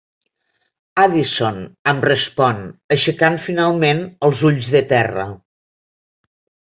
Addison —em respon, aixecant finalment els ulls de terra.